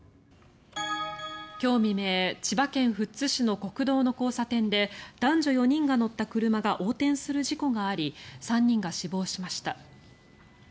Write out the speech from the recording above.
今日未明千葉県富津市の国道の交差点で男女４人が乗った車が横転する事故があり３人が死亡しました。